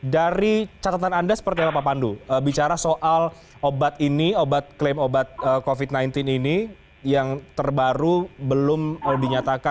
dari catatan anda seperti apa pak pandu bicara soal obat ini obat klaim obat covid sembilan belas ini yang terbaru belum dinyatakan